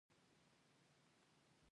شکرپاره زردالو ډیر مشهور دي.